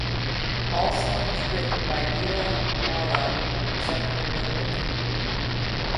All songs written by Ville Valo, except where noted.